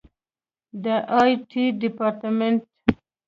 د آی ټي ډیپارټمنټ